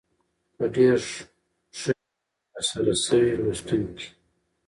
په ډېر ښه شکل تر سره شوې لوستونکي